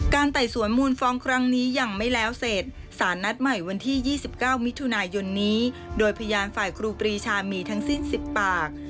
ไต่สวนมูลฟ้องครั้งนี้ยังไม่แล้วเสร็จสารนัดใหม่วันที่๒๙มิถุนายนนี้โดยพยานฝ่ายครูปรีชามีทั้งสิ้น๑๐ปาก